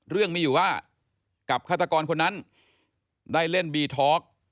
เรื่องมีอยู่ว่ากับฆาตกรคนนั้นได้เล่นบีทอล์ก